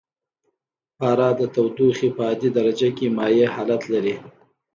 پاره د تودوخې په عادي درجه کې مایع حالت لري.